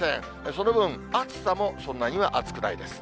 その分、暑さもそんなには暑くないです。